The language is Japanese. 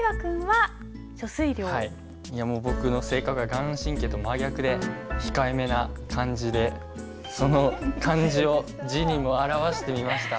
いやもう僕の性格が顔真と真逆で控えめな感じでその感じを字にも表してみました。